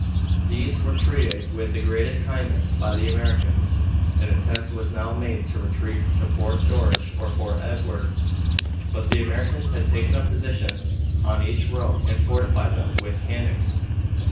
These were treated with the greatest kindness by the Americans. An attempt was now made to retreat to Fort George or Fort Edward, but the Americans had taken up positions on each road and fortified them with cannon.